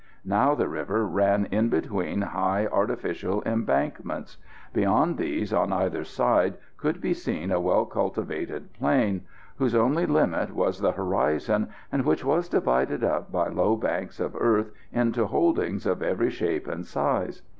Now the river ran in between high artificial embankments; beyond these, on either side, could be seen a well cultivated plain whose only limit was the horizon, and which was divided up by low banks of earth into holdings of every shape and size.